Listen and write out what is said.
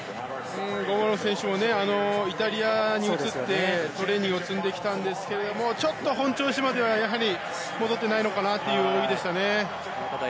ゴボロフ選手もイタリアに移ってトレーニングを積んできたんですけどちょっと本調子までは戻ってないのかなという泳ぎでした。